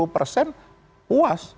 delapan puluh persen puas